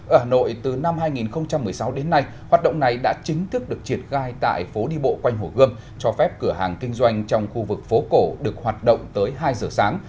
ở hà nội từ năm hai nghìn một mươi sáu đến nay hoạt động này đã chính thức được triệt gai tại phố đi bộ quanh hồ gươm cho phép cửa hàng kinh doanh trong khu vực phố cổ được hoạt động tới hai giờ sáng